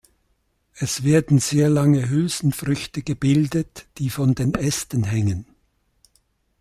Es werden sehr lange Hülsenfrüchte gebildet, die von den Ästen hängen.